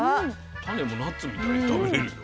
種もナッツみたいに食べれるよ。